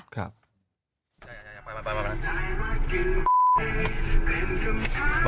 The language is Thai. ค่ะ